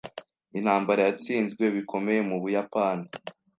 Intambara yatsinzwe bikomeye mubuyapani.